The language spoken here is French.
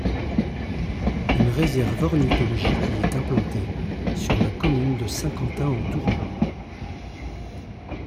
Une réserve ornithologique y est implantée, sur la commune de Saint-Quentin-en-Tourmont.